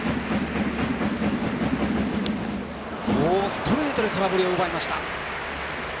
ストレートで空振りを奪いました。